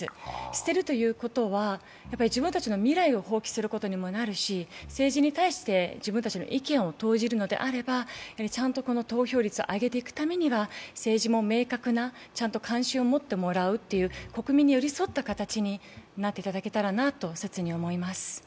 捨てるということは、自分たちの未来を放棄することにもなるし政治に対して自分たちの意見を投じるのであれば投票率を上げていくためには政治に明確な関心を持ってもらうという国民に寄り添った形になっていただけたらなと切に思います。